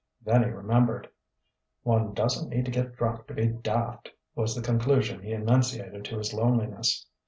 Then he remembered. "One doesn't need to get drunk to be daft," was the conclusion he enunciated to his loneliness.